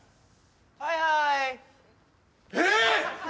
はいはーいえっ！？